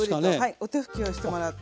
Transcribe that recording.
お手拭きをしてもらって。